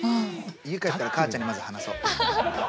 家帰ったら母ちゃんにまず話そう。